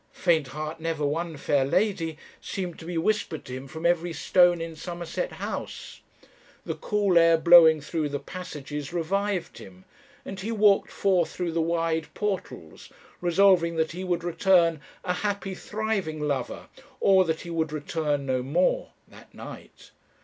'Faint heart never won fair lady,' seemed to be whispered to him from every stone in Somerset House. The cool air blowing through the passages revived him, and he walked forth through the wide portals, resolving that he would return a happy, thriving lover, or that he would return no more that night.